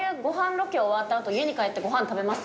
ロケ終わった後家に帰ってご飯食べます？